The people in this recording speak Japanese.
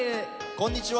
こんにちは。